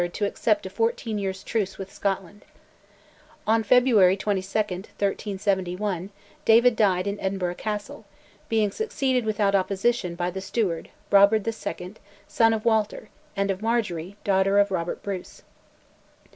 to accept a fourteen years' truce with Scotland. On February 22, 1371, David died in Edinburgh Castle, being succeeded, without opposition, by the Steward, Robert II., son of Walter, and of Marjorie, daughter of Robert Bruce.